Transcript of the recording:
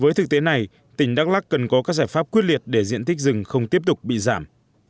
với thực tế này tỉnh đắk lắc cần có các giải pháp quyết liệt để diện tích rừng không tiếp tục bị giảm